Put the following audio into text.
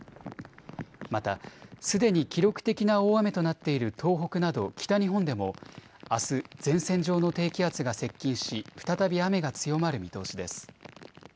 また、すでに記録的な大雨となっている東北など北日本でもあす前線上の低気圧が接近し再び雨が強まる見通しです。